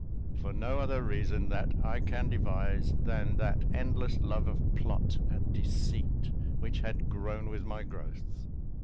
For no other reason that I can devise than that endless love of plot and deceit which had "grown with my growth."